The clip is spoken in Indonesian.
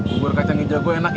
bubur kacang hijau gua enak ya